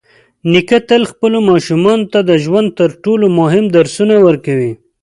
نیکه تل خپلو ماشومانو ته د ژوند تر ټولو مهم درسونه ورکوي.